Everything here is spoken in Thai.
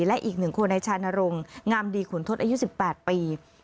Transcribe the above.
และอีก๑คนในชานรงค์งามดีขุนทศอายุ๑๘ปี